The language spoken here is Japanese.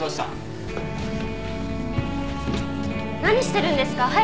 何してるんですか？